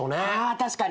確かに。